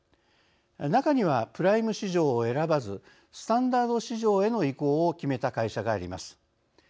中にはプライム市場を選ばずスタンダード市場への移行を決めた会社があります。